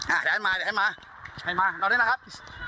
อ่าเดี๋ยวอันมาเดี๋ยวอันมาอันมาเอาได้นะครับ